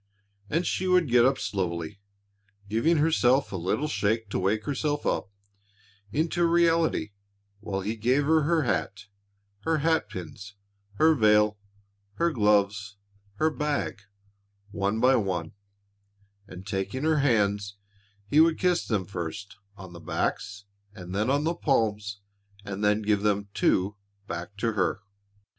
And she would get up slowly, giving herself a little shake to wake herself up into reality while he gave her her hat, her hat pins, her veil, her gloves, her bag, one by one, and taking her hands, he would kiss them first on the backs and then on the palms and then give them too back to her.